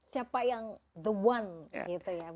siapa yang the one gitu ya